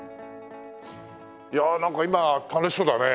いやなんか今楽しそうだね。